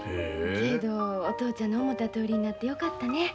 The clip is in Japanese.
けどお父ちゃんの思ったとおりになってよかったね。